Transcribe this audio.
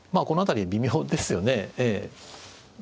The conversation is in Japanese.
この辺りは微妙ですよね。